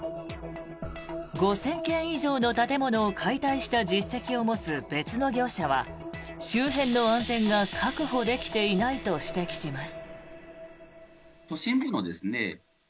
５０００軒以上の建物を解体した実績を持つ別の業者は周辺の安全が確保できていないと指摘します。